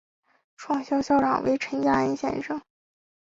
创校校长为陈加恩先生。